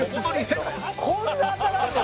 こんな当たらんの？